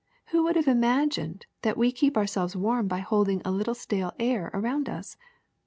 AYho would have imagined that we keep ourselves warm by holding a little stale air around us!